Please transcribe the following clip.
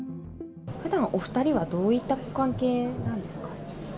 ふだんお２人はどういったご関係なんですか？